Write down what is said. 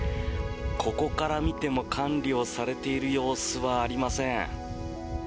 ここから見ても管理をされている様子はありません。